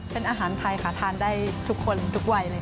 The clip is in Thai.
เป็นอาหารไทยค่ะทานได้ทุกคนทุกวัยเลย